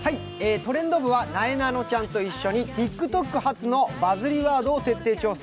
「トレンド部」はなえなのちゃんと一緒にＴｉｋＴｏｋ発のバズりワードを調査。